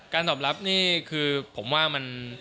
ตอบรับนี่คือผมว่ามัน